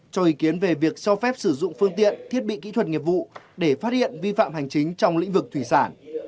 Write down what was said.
cho ý kiến về việc cho phép sử dụng phương tiện thiết bị kỹ thuật nghiệp vụ để phát hiện vi phạm hành chính trong lĩnh vực thủy sản